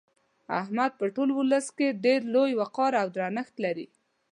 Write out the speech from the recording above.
احمد په ټول ولس کې ډېر لوی وقار او درنښت لري.